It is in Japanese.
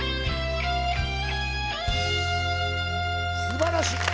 すばらしい！